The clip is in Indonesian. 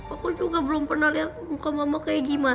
aku juga belum pernah lihat muka mama kayak gimana